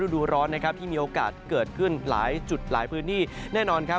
ดูร้อนนะครับที่มีโอกาสเกิดขึ้นหลายจุดหลายพื้นที่แน่นอนครับ